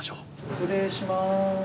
失礼します。